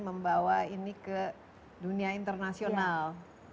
membawa ini ke dunia internasional